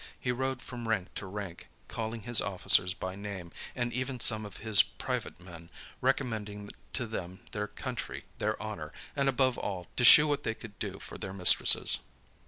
He rode from rank to rank, calling his officers by name, and even some of his private men, recommending to them their country, their honor, and, above all, to shew what they could do for their mistresses.